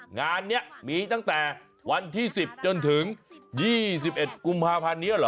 งานนี้มีตั้งแต่วันที่๑๐จนถึง๒๑กุมภาพันธ์นี้เหรอ